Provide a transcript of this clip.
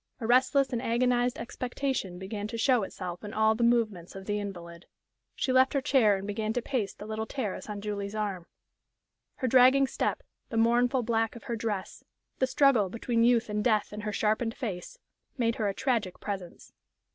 A restless and agonized expectation began to show itself in all the movements of the invalid. She left her chair and began to pace the little terrace on Julie's arm. Her dragging step, the mournful black of her dress, the struggle between youth and death in her sharpened face, made her a tragic presence.